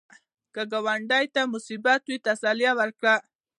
که ګاونډي ته مصیبت وي، تسلیت ورکړه